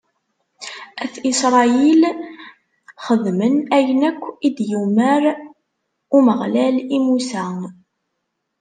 At Isṛayil xedmen ayen akk i s-d-yumeṛ Umeɣlal i Musa.